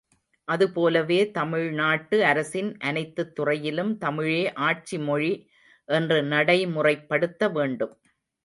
அதுபோலவே தமிழ் நாட்டு அரசின் அனைத்துத் துறையிலும் தமிழே ஆட்சி மொழி என்று நடைமுறைப்படுத்தவேண்டும்.